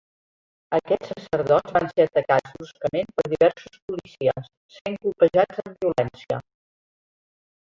Aquests sacerdots van ser atacats bruscament per diversos policies, sent colpejats amb violència.